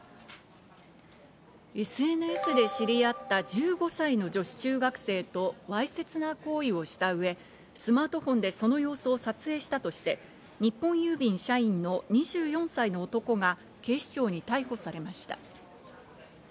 ＳＮＳで知り合った１５歳の女子中学生とわいせつな行為をしたうえ、スマートフォンでその様子を撮影したとして、日本郵便社員の２４歳の男が、警視庁に逮捕されました。